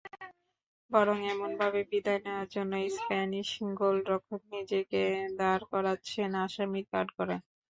বরং এমনভাবে বিদায় নেওয়ার জন্য স্প্যানিশ গোলরক্ষক নিজেকেই দাঁড় করাচ্ছেন আসামির কাঠগড়ায়।